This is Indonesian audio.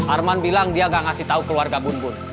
arman bilang dia gak ngasih tau keluarga bumbun